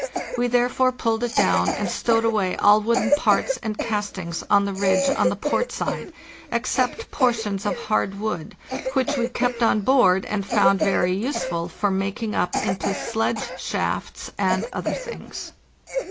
We therefore pulled it down, and stowed away all wooden parts and castings on the ridge on the port side, except portions of hard wood, which we kept on board, and found very useful for making up into sledge shafts and other things.